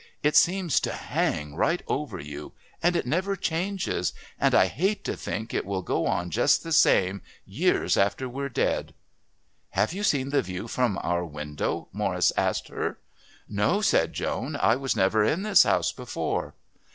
It seems to hang right over you, and it never changes, and I hate to think it will go on just the same, years after we're dead." "Have you seen the view from our window?" Morris asked her. "No," said Joan, "I was never in this house before."